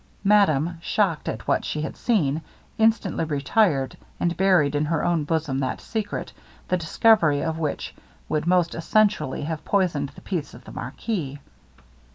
Madame, shocked at what she had seen, instantly retired, and buried in her own bosom that secret, the discovery of which would most essentially have poisoned the peace of the marquis.